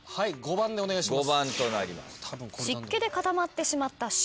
５番でお願いします。